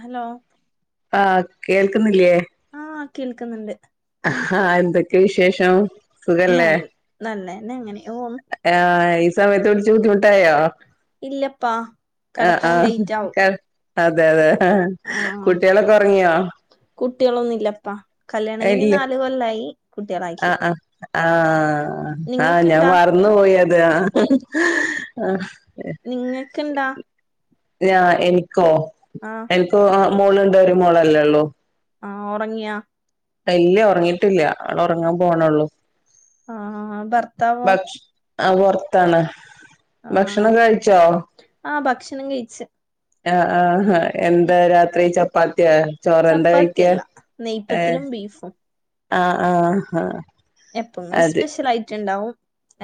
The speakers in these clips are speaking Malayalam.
ഹലോ ആഹ് കേൾക്കുന്നില്ലേ? ആഹ് കേൾക്കുന്നുണ്ട് ആഹ് എന്തൊക്കെ വിശേഷം? സുഖല്ലേ നല്ല നല്ലന്നെ ഇങ്ങനെ പോവുന്ന് ആഹ് ഈ സമയത്ത് വിളിച്ചു ബുദ്ധിമുട്ടായോ? ഇല്ലപ്പാ ആഹ് കെടക്കാൻ ആഹ് ലേറ്റ് ആവും ക അതെ അതെ കുട്ട്യാളൊക്കെ ഒറങ്ങിയോ? കുട്ടികളൊന്നുല്ലപ്പാ കല്യാണകൈഞ്ഞ് ഇല്ല നാല് കൊല്ലായി കുട്ടികളായിട്ടില്ല ആഹ് ആഹ് ആഹ് ആഹ് ഞാൻ നിങ്ങൾക്ക്ണ്ടാ മറന്നു പോയി അത് ആഹ് ആഹ് നിങ്ങൾക്ക്ണ്ടാ ഞാ എനിക്കോ? ആഹ് എനിക്ക് മോളുണ്ട് ഒരു മോളല്ലേ ഒ ള്ളൂ ആഹ് ഒ റങ്ങിയോ? ഇ ല്ല ഒറങ്ങിയിട്ടില്ല അവള് ഒറങ്ങാൻ പോണെള്ളൂ ആഹ് ബർത്താവോ ആഹ് പൊർത്താണ് ആഹ് ഭക്ഷണൊക്കെ കഴിച്ചോ? ആഹ് ഭക്ഷണം കഴിച്ച് ആഹ് ആഹ് എന്താ രാത്രി ചപ്പാത്തിയോ ചോറ് എന്താ കഴിക്ക ചപ്പാത്തിയല്ല ഏഹ്? നെയ്പ്പത്തിലും ബീഫും ആഹ് ആഹ് ആഹ് എപ്പങ് അത് സ്പെഷ്യൽ ആയിട്ട്ണ്ടാവും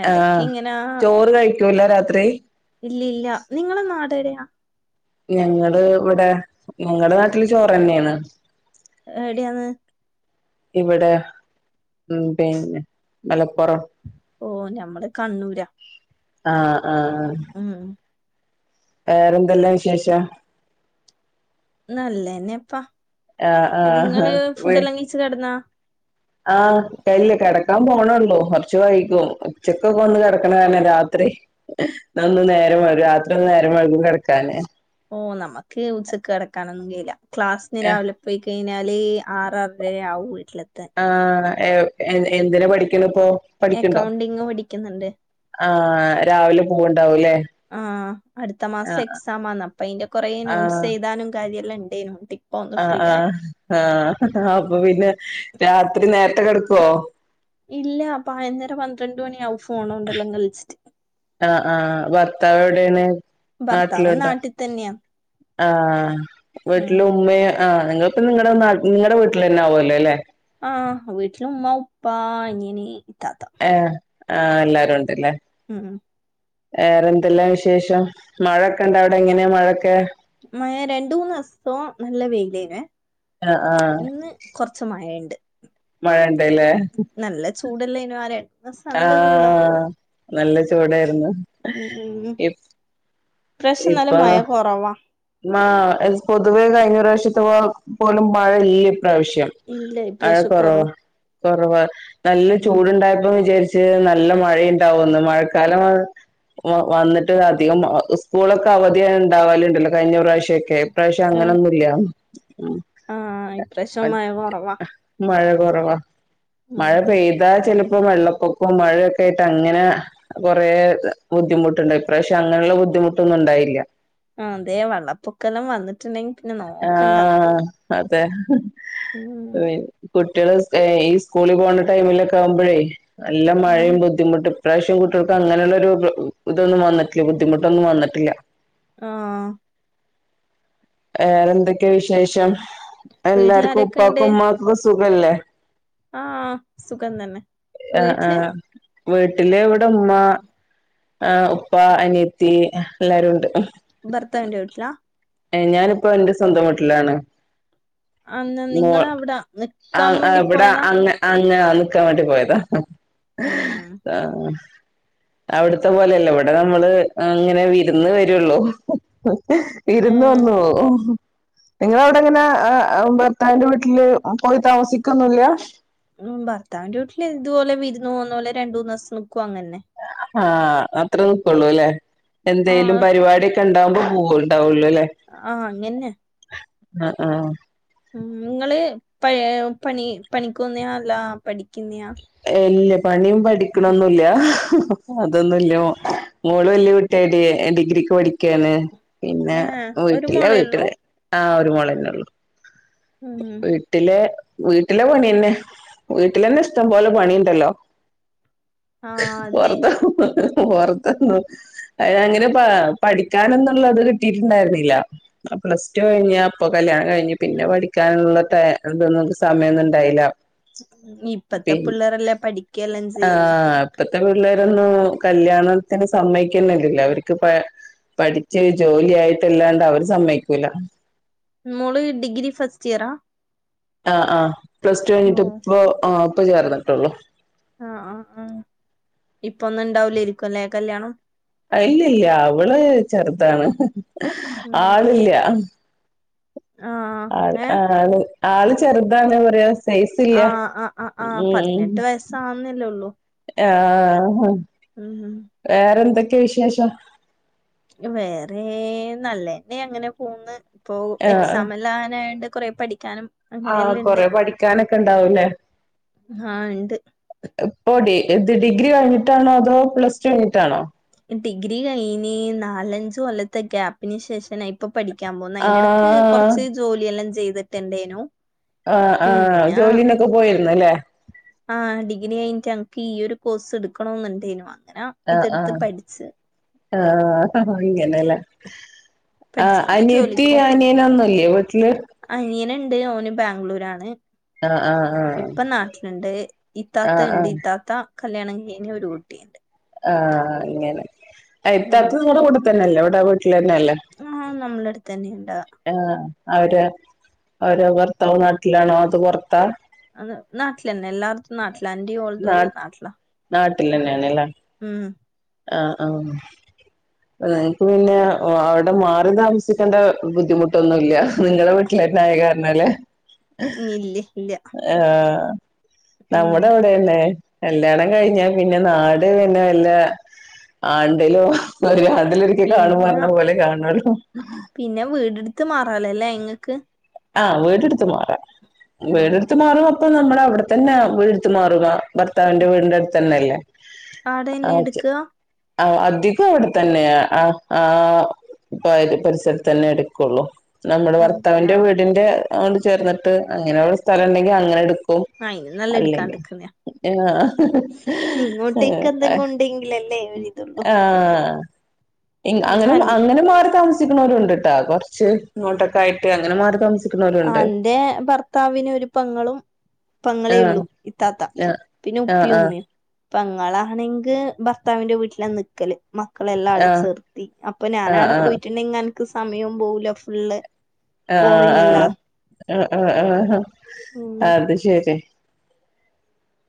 യടക്ക് ആഹ് ഇങ്ങനാ ചോറ് കഴിക്കൂല രാത്രി ഇല്ലി ല്ല നിങ്ങളെ നാടേടാ? ഞങ്ങള് ഇവിടെ ഞങ്ങളെ നാട്ടില് ചോറ് ന്നെയാണ് എവിടെയാണ് ഇവിടെ ഉം പിന്നെ മലപ്പുറം ഓ ഞമ്മൾ കണ്ണൂരാ ആഹ് ആഹ് ഉം വേറെന്തെല്ലാം വിശേഷം നല്ലന്നെ അപ്പാ ആഹ് നിങ്ങള് ഫുഡ് ആഹ് എല്ലാം കയിച്ച് കടന്നാ ആഹ് അല്ലേ കിടക്കാൻ പോണള്ളൂ കുറച്ച് വൈകും ഉച്ചക്കൊക്കെ ഒന്ന് കിടക്കണ കാരണം രാത്രി ഒന്ന് നേരം വൈകും രാത്രി ഒന്ന് നേരം വഴകും കിടക്കാന് ഓ നമുക്ക് ഉച്ചക്ക് കടക്കാനൊന്നും കയില്ല ക്ലാസ്സിന് രാവിലെ പോയി കഴിഞ്ഞ ഞ്ഞാല് ആറാറരെ ആവും വീട്ടിലെത്താൻ ആഹ് എന്തിനെ പഠിക്കണ ഇപ്പോ പഠിക്കണ്ടോ അക്കൗണ്ടിങ് പഠിക്കുന്നുണ്ട് ആഹ് രാവിലെ പൂവണ്ടാവുംല്ലേ ആഹ് അടുത്ത മാസം എക്സാ ആന്ന് അപ്പൊ അതിന്റെ കൊറ നോട്ട്സ് ആഹ് എഴുതാനും കാര്യമല്ലാം ഉണ്ടേനോ ആഹ് ആഹ് ആഹ് അപ്പൊ പിന്നെ രാത്രി നേരത്തെ കിടക്കുവോ ഇല്ല പതിനൊന്നര പന്ത്രണ്ട് മണിയാവു ആഹ് ആഹ് ഭർത്താവ് എവിടൊണ് ഭർത്താവ് നാട്ടിലുണ്ടോ നാട്ടി തന്നെയാ ആഹ് ഉം വീട്ടില ഉമ്മ ആഹ് നിങ്ങ ഇപ്പ നിങ്ങളുടെ നിങ്ങളടെ വീട്ടിൽ തന്നെ ആവുമല്ലോ അല്ലെ ആഹ് വീട്ടില ഉമ്മ ഉപ്പ അനിയൻ താത്ത ആഹ് ആഹ് എല്ലാരും ഉണ്ട്ല്ലേ ഉം വേറെ എന്തെല്ലാം വിശേഷം മഴൊക്കെണ്ട അവിടെ എങ്ങനെയാ മഴൊക്കെ മഴ രണ്ട് മൂന്ന് ദിവസവും നല്ല വെയിലേന ആഹ് ആഹ് ഇന്ന് കൊറച്ച് മഴണ്ട് മഴ ഇണ്ടല്ലേ നല്ല ചൂടല്ല [inaudible] ആഹ് നല്ല ചൂടായിരുന്നു ഉം ഉം ഇപ്രാവശ്യം നല്ല മഴ കുറവാ ആഹ് പൊതുവേ കഴിഞ്ഞ പ്രാവശ്യത്ത പോലും മഴ ഇല്ല ഇപ്രാവശ്യം ഇല്ല മഴ ഇപ്രാവശ്യം കൊറവാ കൊറവ് കൊറവാ നല്ല ഉം ചൂടുണ്ടായപ്പോ വിചാരിച്ച ച്ച് നല്ല മഴയുണ്ടാവുന്നു മഴക്കാലം വന്നിട്ട് അധികം സ്കൂളൊക്കെ അവധിയ ഉണ്ടാവലുണ്ടല്ലോ കഴിഞ്ഞ പ്രാവശ്യൊക്കെ ഈ പ്രാവശ്യം ആഹ് അങ്ങനെന്നുമല്ല [inaudible] ആഹ് ഇപ്രാവശ്യം മഴ കൊറവാ മഴ കുറവാ മഴ ഉം പെയ്തു അതാ ചിലപ്പോ വെള്ളപ്പൊക്കവും മഴയൊക്കെ ആയിട്ട് അങ്ങനെ കുറെ ബുദ്ധിമുട്ടുണ്ട് ഇപ്രാവശ്യെ അങ്ങനെയുള്ള ബുദ്ധിമുട്ടൊന്നും ഉണ്ടായില്ല ആ അതെ വെള്ളപ്പൊക്ക എല്ലാം വന്നിട്ടുണ്ടെങ്കിൽ ആഹ് അതെ ഉം [inaudible] കുട്ടികൾ ഈ സ്കൂളിൽ പോകണ്ട ടൈമിലൊക്കെ ആവുമ്പോഴേ എല്ലാം ആഹ് മഴയും ബുദ്ധി ബുദ്ധിമുട്ട് ഇപ്രാവശ്യം കുട്ടികൾക്ക് അങ്ങനെയുള്ള ഒരു ഇതൊന്നും വന്നിട്ടില്ല ബുദ്ധിമുട്ടൊന്നും വന്നിട്ടില്ല ആഹ് വേറെ എന്തൊക്കെയ വിശേഷം എല്ലാർക്കും വീട്ടിലാരൊക്കെ ഇണ്ട് ഉപ്പക്കും ഉമ്മക്കക്ക സുഖല്ലേ ആഹ് സുഖം തന്നെ വീട്ടില് വീട്ടിൽ ഇവിടെ ഉമ്മ ആ ഉപ്പ അനിയത്തി എല്ലരുണ്ട് ഭർത്താവിന്റെ വീട്ടിലാ ഏ ഞാനിപ്പോ എന്റെ സ്വന്തം വീട്ടിലാണ് അന്ന് മോ നിങ്ങളവിടെ നിക്കാൻ ആഹ് ആഹ് വേണ്ടി ഇവിടെ പോയതാ അങ്ങ അങ്ങാ നിക്കാൻ വേണ്ടി പോയതാ ഉം ആഹ്. അവ്ട്ത്ത പോലെയല്ല ഇവിടെ നമ്മള് അങ്ങനെ വിര്ന്ന് വരുള്ളൂ. വിര്ന്നു ഏഹ് വന്നോ? നിങ്ങള അവ്ടെങ്ങനെ എഹ് ഭർത്താവിന്റെ വീട്ടില് പോയി താമസിക്കൊന്നുല്ല. ഉം ഭർത്താവിന്റെ വീട്ടില് ഇതുപോലെ വിര്ന്നു പോന്ന പോലെ രണ്ട് മൂന്ന്സം നിക്കും അങ്ങന് ന്നെ ആഹ് അത്ര നിക്ക്ള്ളൂ അല്ലേ എന്തേലും ആഹ് പരിപാടി. ക്കെണ്ടാവുമ്പോ പോവുണ്ടാവുള്ളു അല്ലേ? ആഹ് അങ്ങിന്നെ. ആഹ് ആഹ്. ഉം ഇങ്ങള് പ പണി പണിക്കുന്നെയാ അല്ല പഠിക്കുന്നെയാ. ഇല്ല പണിയും പഠിക്ക്ണൊന്നുല്ലൃ. അതൊന്നുല്ല മോ മോള് വല്യ കുട്ടിയിട്ടില്ല ഞാന് ഡിഗ്രിക്ക് പഠിക്കാണ്. പിന്നെ ഏഹ് ഒരു വീട്ടില്ലേ മോളേ ഉള്ളൂ വീട്ടില് ആഹ് ഒരു മോളന്നെ ഒള്ളു. ഉം. വീട്ടിലെ വീട്ടിലെ പണിന്നെ വീട്ടിലന്നെ. ഇഷ്ടം പോലെ പണിണ്ടല്ലോ ആഹ് അതെ വെർതെ വർ ആഹ് അങ്ങനെ പ പഠിക്കാനെന്നുള്ളത് കിട്ടിയിട്ടുണ്ടായിരുന്നില്ല. ആഹ് പ്ലസ് ടു കഴിഞ്ഞ് അപ്പോ കല്യാണം കഴിഞ്ഞ് പിന്നെ പഠിക്കാനുള്ള ടൈ ഇതൊന്നും സമയന്നും ഉണ്ടായില്ല. ഇപ്പത്തെ പിന്നെ പിള്ളേർല്ലേ പഠിക്ക് എല്ലാം ചെയ്യ്ന്ന്. ആഹ് ഇപ്പത്തെ പിള്ളേരൊന്നും കല്യാണത്തിന് സമ്മയിക്കുന്നില്ലല്ലേ അവർക്ക് പ പഠിച്ച് ഒരു ജോലി ആയിട്ടല്ലാണ്ട് അവര് സമ്മയ്ക്കൂല. മോള് ഡിഗ്രി ഫസ്റ്റ് ഇയറ? ആഹ് ആഹ് പ്ലസ് ടു കഴിഞ്ഞിട്ട് ഓഹ് ഇപ്പോ ആഹ് ഇപ്പോ ചേർന്നിട്ടുള്ളു. ആഹ് ആഹ് ആഹ് ഇപ്പന്നും ഇണ്ടാവൂലേരിക്കുംല്ലേ കല്യാണം? ഇല്ലല്ല അവള് ചെറ്താണ് ഉം ആളില്ല. ആഹ് ആൾ ഏഹ് ആഹ് ആഹ് ആള് ചെറ്താണ് പറയാ സൈസ് ഇല്ല ആഹ് ആഹ് അഹ് അഹ് ഉം പതിനെട്ട് വയസ്സാവുന്നല്ലേള്ളൂ. ആഹ്. ഉം. വേറെ എന്തൊക്കെ വിശേഷം? വേറെ നല്ലെന്നെ അങ്ങനെ പോന്ന്. ഇപ്പോ ആഹ് എക്സാമല്ലാ ആനായണ്ട് കൊറെ പഠിക്കാനും. ആഹ് അങ്ങനെയെല്ലാം ഇണ്ട് കൊറെ പഠിക്കാനൊക്കെ ഇണ്ടാവൂലേ? ആഹ് ഇണ്ട് ഇപ്പോ ഡി ഇത് ഡിഗ്രി കഴിഞ്ഞിട്ടാണോ അതോ പ്ലസ് ടു കഴിഞ്ഞിട്ടാണോ? ഡിഗ്രി കഴിഞ് നാലഞ്ച് കൊല്ലത്തെ ഗ്യാപ്പിന് ശേഷം ന ഇപ്പൊ പഠിക്കാൻ പോന്ന് അയിന്റെടക്ക് ആഹ് കൊറ്ച്ച് ജോലിയെല്ലാം ചെയ്തിട്ട്ണ്ടേനു. ആഹ് ആഹ് ജോലിന്നൊക്കെ പോയിര്ന്നു അല്ലേ? ആഹ് ഡിഗ്രി കയിഞിട്ട് അന്ക്ക് ഈയൊരു കോഴ്സ് ഇടുക്കണോന്നുണ്ടേനു അങ്ങന. ആഹ് ആഹ് ആഹ് ഇങ്ങനെല്ല. ആഹ് പഠിച്ചെന്റെ അനിയത്തി അനിയനൊന്നുല്ലേ വീട്ടില്. അനിയന്ണ്ട് ഓന് ബാംഗ്ലൂരാണ്. ആഹ് ആഹ് ആഹ് ഇപ്പം നാട്ടില്ണ്ട് ആഹ് ആഹ് ഇത്താത്തണ്ട് ഇത്താത്ത. കല്യാണം കഴിഞ്ഞ് ഒരു കുട്ടിയ്ണ്ട്. ആഹ് അങ്ങനെ ഉം അയ്ത്താത്ത ങ്ങടെ കൂടെ തന്നെല്ലേ ഇവ്ടെ വീട്ടിൽന്നെ അല്ലേ. ആഹ് നമ്മെള അടുത്ത്ന്നെ ഉണ്ട് ആഹ് അവര് അവര് ഭർത്താവ് നാട്ടിലാണോ അതൊ പുറത്താ ആഹ് നാട്ടിലന്നെ എല്ലാർത്തും നാട്ടിലാ എന്റെയും ഓളതല്ല നാട്ടിലാ നാട്ടിൽ തന്നെയാണ്ലെ ഉം ആഹ് ആഹ് നിങ്ങക്ക് പിന്നെ അവിടെ മാറി താമസിക്കേണ്ട ബുദ്ധിമുട്ടൊന്നുല്ല നിങ്ങളെട്ട അയ കാരണല്ലേ ഉ ഇല്ലേ ഇല്ലയ ആഹ് നമ്മുടെ എവിടെന്നെ കല്യാണം കഴിഞ്ഞ പിന്നെ നാട് പിന്നെ വല്ല ആണ്ടിലും ആണ്ടിലൊരിക്ക കാണും പിന്നെ പറഞ്ഞ പോലെ കാണള്ളൂ പിന്നെ വീടെടുത്ത് മാറാലല്ലേ ഇങ്ങൾക്ക് ആഹ് വീടെടുത്ത് മാറാ ആഹ് വീടെടുത്ത് മാറിയ അപ്പൊ നമ്മൾ അവിടെ തന്നെ വീട് മാറുക ഭർത്താവിന്റെ വീടിൻ്റെ അടുത്ത് തന്നെ അല്ലേ അതന്നെ ഇട്ക്ക ആഹ് അധികം അവിടെ തന്നെയ ആഹ് ആഹ് [unintelligible] പരിസരത്ത് തന്നെ എടുക്കൊള്ളൂ നമ്മുടെ അതെയാ ഭർത്താന്റെ വീടിന്റെ അങ്ങട് ചേർന്നിട്ട് അങ്ങനെ സ്ഥലം ഇണ്ടെങ്കിൽ അങ്ങനെ എടു ആയിന് നല്ല എടുക്കാണ്ട്ടുക്കുന്ന ഇങ്ങോട്ടേക്ക ആഹ് എന്തെങ്ങും ഉണ്ടെങ്കിലല്ലേ ഒരിതള്ളൂ ആഹ് അങ്ങനെ അങ്ങനെ മാറി താമസിക്കണൊരു ഉണ്ട്ട്ട കൊറച്ച് നോട്ടൊക്ക ആയിട്ട് അങ്ങനെ മാറി താമ ആഹ് ൻ്റെ ഭർത്താവിന് ഒരു പങ്ങളും പങ്ങളേ ആഹ് ഒള്ളു പിന്നെ ഇത്താത്ത ആഹ് പിന്നെ ആഹ് ഉപ്പിയും ആഹ് ഉമ്മയും പെങ്ങളാണെങ്കിൽ ഭർത്താവിന്റെ വീട്ടില നിൽക്കല് മക്കളെല്ലാം അവിടെ ആഹ് ചേർത്തി അപ്പൊ ഞാൻ ആഹ് അവിടെ ആഹ് പോയിട്ടുണ്ടെങ്കിൽ എനിക്ക് സമയവും പോകില്ല ഫുള്ള് ആഹ് ബോറിങ്ങല്ലാ ആഹ് ആഹ് ആഹ് ഉം അത് ശരി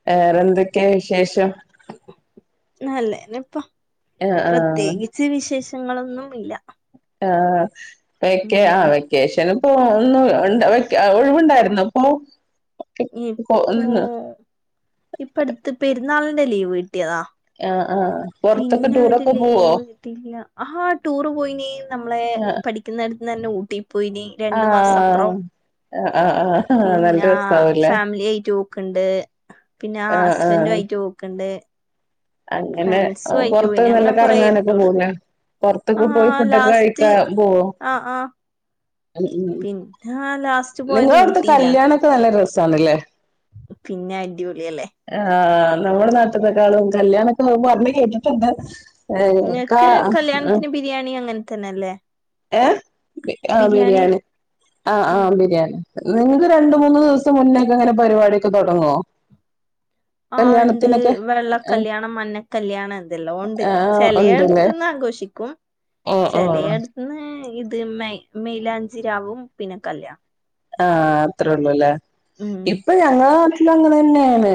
വേറെ എന്തൊക്കെയ വിശേഷം നല്ലേപ്പ ആഹ് ആഹ് പ്രത്യേകിച്ച് വിശേഷങ്ങളൊന്നു. ഇല്ല ആഹ് വെക്കെ ആ ഉം വെക്ക വെക്കേഷന് ഇപ്പോ ഒന്ന് ഒഴിവുണ്ടായിരുന്നു അപ്പൊ ഇപ്പോ ഇപ്പൊ ന് ഇപ്പ അടുത്ത് പെരുന്നാളിന് ലീവ് കിട്ടിയതാ ആഹ് ആഹ് പൊറത്തൊക്കെ പിന്നെ ഒരു ടൂറൊക്കെ പോവോ ലീവ് കിട്ടിയില്ല ആ ടൂറ് പോയിനി നമ്മളെ പഠി ആഹ് പഠിക്കുന്നത് തന്നെ ഊട്ടി പോയിനി രണ്ടു മാസം അപ്പുറം ആഹ് ആഹ് ആഹ് ആഹ് നല്ല പിന്നെ രസാവുല്ലേ ഫാമിലി ആയിട്ട് പോക്ക് ഇണ്ട് പിന്നെ ആ ആഹ് ഹസ്ബൻറു ആഹ് ആയിട്ട് പോക്കണ്ട് അങ്ങനെ പോയിനി പൊറത്തൊക്കെ അങ്ങനെ കൊറേ നല്ലക്കെറങ്ങാനൊക്കെ ടൂർ പോല ആ പൊറത്തൊക്കെ പോയി ഫുഡൊക്കെ ലാസ്റ്റ് കഴിക്കാ പോവോ ഇൻക്കാ ലാസ് നിങ്ങള അവിടുത്തെ കല്യാണൊക്കെ നല്ല രസണല്ലേ പിന്നെ അടിപൊളിയല്ലേ ആഹ് നമ്മുടെ നാട്ടത്തെേക്കാളും കല്യാണൊക്കെ പറഞ്ഞ് കേട്ടിട്ടുണ്ട് ഏ ക്ക ഇങ്ങക്ക് കല്യാണത്തിന് ബിരിയാണി അങ്ങനെ തന്നെ അല്ലേ ഏഹ് ആഹ് ബിരിയാണി ആഹ് ആഹ് ഉം ബിരിയാണി നിങ്ങക്ക് രണ്ട് മൂന്ന് ദിവസം മുന്നേക്കെ അങ്ങനെ പരിപാടിയൊക്കെ തുടങ്ങുവോ ആ ഇണ്ട് കല്യാണത്തിനൊക്കെ വെള്ള കല്യാണം മഞ്ഞക്കല്യാണം എന്തെല്ലാ ഉണ്ട് ആഹ് ചെലയ ഉണ്ടല്ലേ അടുത്ത്ന്ന് ആഘോഷിക്കും ആഹ് ആഹ് ഓഹ് ആഹ് ഇന്ന് ഇത് മെ മെയിലാഞ്ചിരാവും പിന്നെ കല്യാ ആഹ് അത്രേ ഉള്ളൂല്ലേ ഉം ഇപ്പ ഞങ്ങാവ ഇന്ന് അങ്ങനെ തന്നെയാണ്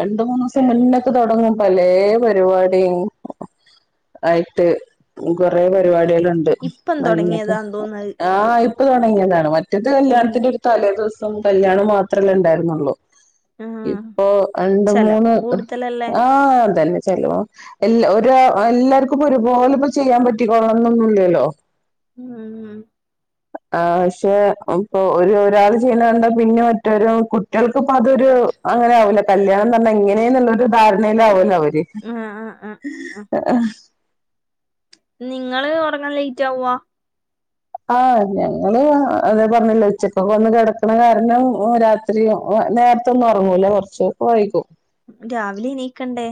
രണ്ട് മൂന്ന് ദിവസം മുന്നക്കെ തുടങ്ങും പലേ പരിപാടിയും ആയിട്ട് കൊറെ പരിപാടികള് ണ്ട് ഇപ്പം മാണിഞക തൊടങ്ങിയതാന്ന് തോന്നുന്നത് ആഹ് ആഹ് പ്പ തുടങ്ങിയതാണ് മറ്റത് ഉം കല്യാണത്തിന്റെ ഒരു തലേ ദിവസം കല്യാണം മാത്രല്ലേ ഉണ്ടായിരുന്നുള്ളൂ ആ ഇപ്പൊ രണ്ടു മൂന്ന് ചെലവും കൂടുതലല്ലേ ആഹ് അതന്നെ ചെലവാ എല്ലാ ഒര് എല്ലാർക്കും ഇപ്പൊ ഒരുപോലെ ഇപ്പ ചെയ്യാൻ പറ്റികോളണോന്നൊന്നും ഇല്ലല്ലോ ഉം ഉം ആഹ് പക്ഷെ ആം ഇപ്പൊ ഒരു ഒരാൾ ചെയ്യണ്ടാ കണ്ട പിന്നെ മറ്റൊരു കുട്ടികൾക്കിപ്പോ അതൊരു അങ്ങനെ ആവില്ല കല്യാണം പറഞ്ഞാ ഇങ്ങനെന്നുള്ളരു ധാരണയിലാവുല്ലോ അവര് ആ ആ ആ ആ. നിങ്ങള് ഒറങ്ങാൻ ലേറ്റ് ആവുവോ ആഹ് ഞങ്ങള് ആഹ് അതെ പറഞ്ഞല്ലൊ ഉച്ചക്കൊക്കെ വന്ന് കിടക്കണ കാരണം രാ ത്രി നേരത്തെൊന്നും ഒറങ്ങൂല കുറച്ച് വൈകും രാവിലെ എണീക്കണ്ടേ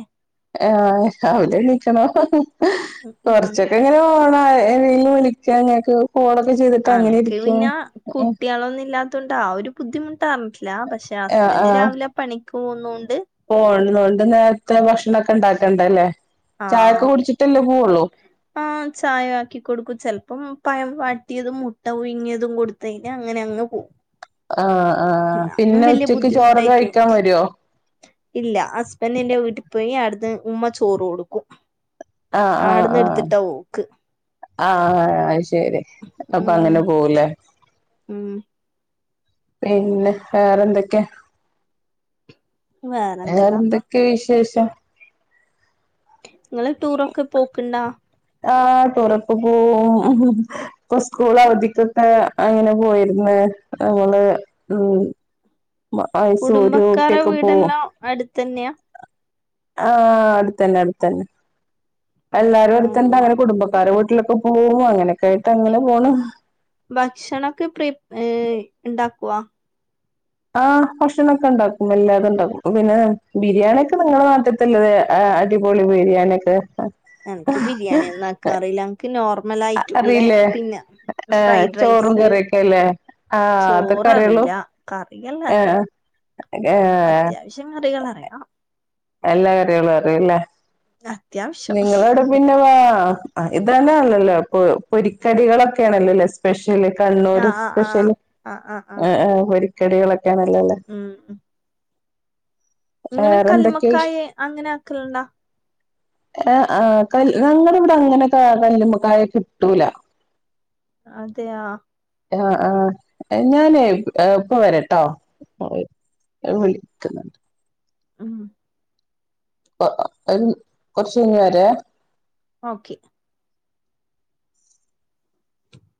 ആഹ് രാവിലെ എണിക്കണം ഉം ഉം. കൊറച്ച് എങ്ങനെ ഓണയി എന്നെനീ വിളിക്കാഞ്ഞെ ഒക്കു ഫോണൊക്കെ ചെയ്ത് അനക്ക് പിന്ന കുട്ടികളൊന്നും ഇല്ലാത്തോണ്ട് ആ ഒരു ബുദ്ധിമുട്ട് അറിഞ്ഞിട്ടില്ല പക്ഷെ ഹസ്ബൻഡ് രാവിലെ പണിക്ക് പോന്നുണ്ട് പോൺന്നകൊണ്ട് നേരത്തെ ഭക്ഷണം ഒക്കെ ഇണ്ടാക്കണ്ട അല്ലേ ആഹ് ആഹ് ചായ ആക്കി കൊടുക്കും ചെലപ്പം പഴം വാട്ടിയതും മുട്ട പുഴുങ്ങിയതും കൊടുത്ത്‌ കഴിഞ്ഞ അങ്ങനെ അങ്ങ് പോകും ആഹ് ആഹ് അതൊന്നും പിന്നെ വലിയ ഉച്ചക്ക് ചോറൊക്കെ ബുദ്ധിമുട്ടായിട്ട് കഴിക്കാൻ വരോ ഇല്ല ഹസ്ബൻഡിന്റെ വീട്ടി പോയി അവിടുത്തെ ഉമ്മ ചോറ് കൊടുക്കും ആഹ് ആഹ് അവിടുന്ന് ആഹ് എടുത്തിട്ടാ പോക്ക് ആഹ് ആയ് ശെരി അപ്പൊ ഉം അങ്ങനെ പോവും ല്ലേ ഉം പിന്നെ വേറെന്തൊക്കെയാ വേറെന്തല്ലാപ്പാ വേറെന്തൊക്കെയാ വിശേഷം നിങ്ങള് ടൂറൊക്കെ പോക്ക്ണ്ട ആഹ് ടൂറൊക്കെ പോവും ഇപ്പൊ സ്കൂൾ അവധിക്കൊക്കെ അങ്ങനെ പോയിരിന്ന് ഞങ്ങള് ഉം മൈസൂര് ഊട്ടി ഒക്കെ പോവും അട്ത്തന്നെയാ ആഹ് അടുത്തന്നെ അടുത്തന്നെ എല്ലാരും ആഹ് അടുത്തൊണ്ട് അങ്ങനെ കുടുംബക്കാരുടെ വീട്ടിലൊക്കെ പോവും അങ്ങെനെക്കായ്ട്ടങ്ങെനെ പോണ് ഭക്ഷണൊക്കെ പ്രീ ഏഹ് ഇണ്ടാക്കുവാ ആഹ് ഭക്ഷണാെക്കെണ്ടാക്കും എല്ലാതുംണ്ടാക്കും പ്പം പിന്നെ ബിരിയാണ്യൊക്കെ നിങ്ങളെ നാട്ട് ത്ത്ല്ലെത് ഏഹ് അടിപൊളി ബിരിയാണ്യൊക്കെ എൻക്ക് ബിരിയാണ്യൊന്നും അ ക്കറീല അൻക്ക് നോർമലായ്റ്റുള്ളെ അറിയില്ലേ പിന്നെ ഫ്രൈഡ് ചോറും റൈസ് കറിയൊക്കെല്ലേ ആഹ് അതൊക്കെ ചോററീലാ കറിയെല്ലാം അറിയാം അ തൊക്കേ വ്ശ്യം കറികളറയാം എല്ലാ കറികളും അറിയുംല്ലേ ആഹ് നിങ്ങളവ്ടെ പിന്നെ വാ ആഹ് ഇത് തന്നെ ആൺണല്ലോ പാെ പൊരിക്കടികളൊക്കെയാണല്ലാെല്ലേ സ്പെഷ്യല് കണ്ണൂര് ആഹ് ആഹ് ആഹ് സ്പെഷ്യല് ആഹ് ആഹ് ആഹ് പൊരി ക്കടികളൊക്കെയാണല്ലാെല്ലേ ഉം ഉം നിങ്ങള് വിശ് കല്ലുമ്മക്കായ് അങ്ങെനാക്കൽണ്ടാ ഏഹ് ആഹ് കൽ ഞങ്ങടെ ഇവ്ടെ അങ്ങെനെ കാ കല്ലുമ്മകായ കിട്ടൂലാ അതെയാ ആഹ് ആഹ് ഞാനേ ഏഹ് പ്പ വെരട്ടോ രോ വിളിക്ക്ന്ന്ണ്ട് ഉം [unintelligible] കൊർച്ചയ്ഞ്ഞ് വെരേ ഓക്കെ